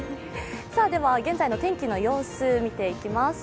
現在の天気の様子、見ていきます